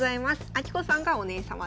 彰子さんがお姉様です。